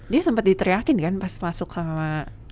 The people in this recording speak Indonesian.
dia sempat diteriakin kan pas masuk sama